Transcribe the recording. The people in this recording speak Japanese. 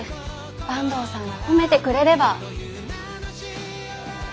坂東さんは褒めてくれれば。